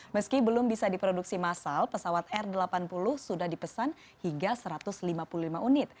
meski belum bisa diproduksi massal pesawat r delapan puluh sudah dipesan hingga satu ratus lima puluh lima unit